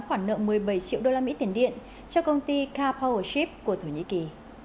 khoản nợ một mươi bảy triệu đô la mỹ tiền điện cho công ty car powership của thổ nhĩ kỳ